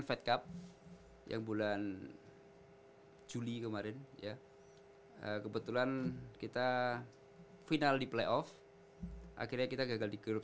fed cup yang bulan juli kemarin ya kebetulan kita final di playoff akhirnya kita gagal di grup